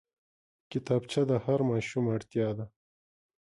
کتابچه د هر ماشوم اړتيا ده